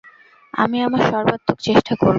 আমি আমার সর্বাত্মক চেষ্টা করব।